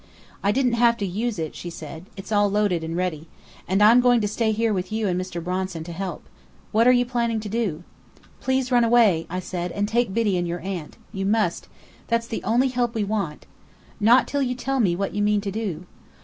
"I didn't have to use it," she said. "It's all loaded and ready. And I'm going to stay here with you and Mr. Bronson, to help. What are you planning to do?" "Please run away," I said, "and take Biddy and your aunt. You must. That's the only help we want " "Not till you tell me what you mean to do."